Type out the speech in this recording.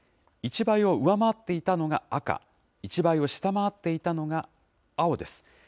１倍を上回っていたのが赤、１倍を下回っていたのが青です。